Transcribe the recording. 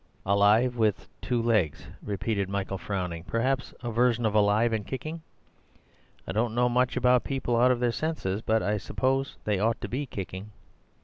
'" "Alive with two legs," repeated Michael, frowning. "Perhaps a version of alive and kicking? I don't know much about people out of their senses; but I suppose they ought to be kicking."